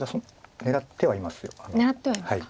狙ってはいますか。